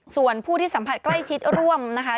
ส่วนผู้ที่สัมผัสใกล้ชิดร่วมนะคะ